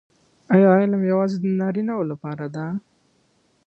آیا علم یوازې د نارینه وو لپاره دی؟